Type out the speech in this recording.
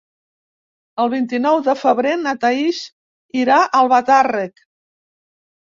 El vint-i-nou de febrer na Thaís irà a Albatàrrec.